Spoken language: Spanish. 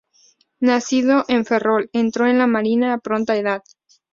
Nacido en Ferrol, entró en la Marina a pronta edad.